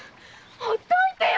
ほっといてよ！